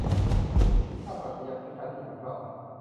วิชาปรัขญาเป็นวิชาที่ฉันชอบ